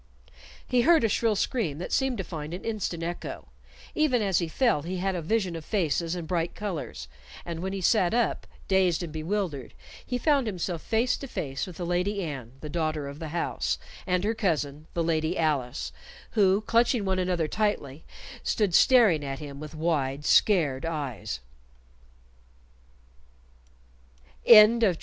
He heard a shrill scream that seemed to find an instant echo; even as he fell he had a vision of faces and bright colors, and when he sat up, dazed and bewildered, he found himself face to face with the Lady Anne, the daughter of the house, and her cousin, the Lady Alice, who clutching one another tightly, stood staring at him with wide scared eyes.